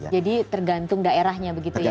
jadi tergantung daerahnya begitu ya pak ya